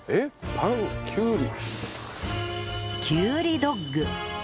パンきゅうり。